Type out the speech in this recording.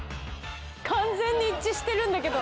完全に一致してるんだけど。